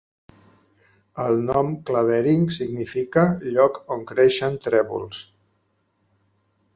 El nom "Clavering" significa "lloc on creixen trèvols".